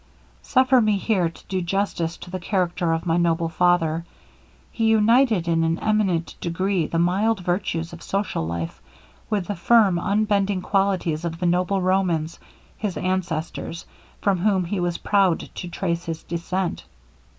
Suffer me here to do justice to the character of my noble father. He united in an eminent degree the mild virtues of social life, with the firm unbending qualities of the noble Romans, his ancestors, from whom he was proud to trace his descent.